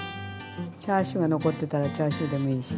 チャーシューが残ってたらチャーシューでもいいし。